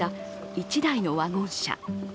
１台のワゴン車。